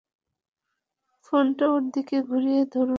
ফোনটা ওর দিকে ঘুরিয়ে ধরুন।